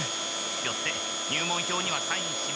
よって入門票にはサインしません。